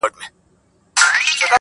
• دا حالت د هغې رواني ماتې ژور انځور دی,